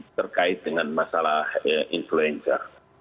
terkait dengan masalah influencer